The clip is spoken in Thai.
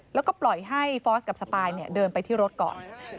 แล้วก็ปล่อยให้ฟอสกับสปายเดินไปที่รถก่อน